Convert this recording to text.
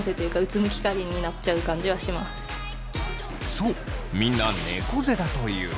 そうみんなねこ背だという。